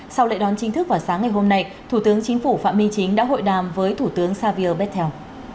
sau lễ đón chính thức vào sáng ngày hôm nay thủ tướng chính phủ phạm minh chính đã hội đàm với thủ tướng savio bettel